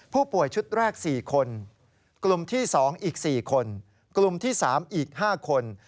ผู้ป่วยชุดแรก๔คนกลุ่มที่๒อีก๔คนกลุ่มที่๓อีก๕คน